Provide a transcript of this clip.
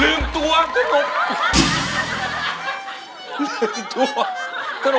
แล้วมันก็บอกเอาไว้